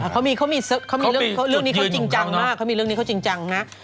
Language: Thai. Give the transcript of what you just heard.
เขามีเรื่องนี้เขาจริงจังมากเขามีเรื่องนี้เขาจริงจังนะ